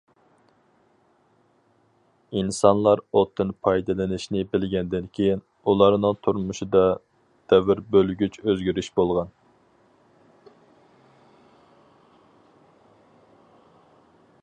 ئىنسانلار ئوتتىن پايدىلىنىشنى بىلگەندىن كېيىن، ئۇلارنىڭ تۇرمۇشىدا دەۋر بۆلگۈچ ئۆزگىرىش بولغان.